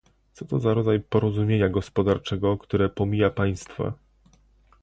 Co to za rodzaj porozumienia gospodarczego, które pomija państwa?